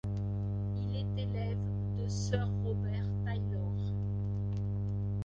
Il est élève de Sir Robert Taylor.